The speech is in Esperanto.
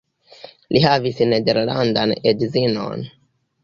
Li havis nederlandan edzinon.